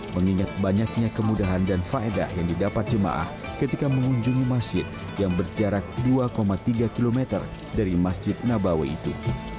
mengingat banyaknya kemudahan dan faedah yang didapat jemaah ketika mengunjungi masjid yang berjarak dua tiga km dari masjid nabawi itu